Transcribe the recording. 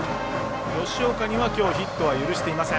吉岡にはきょうヒットは許していません。